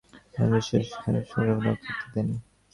তিনি তাদের বিরুদ্ধে সশস্ত্র সংগ্রামে নেতৃত্ব দেন।